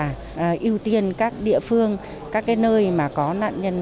chúng tôi đã ưu tiên các địa phương các nơi có nạn nhân